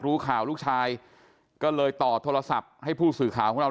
รู้ข่าวลูกชายก็เลยต่อโทรศัพท์ให้ผู้สื่อข่าวของเรา